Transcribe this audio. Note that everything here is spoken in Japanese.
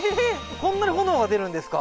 こんなに炎が出るんですか？